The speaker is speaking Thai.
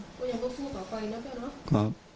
ถ้าเกิดว่าลูกเรายังอยู่พ่อ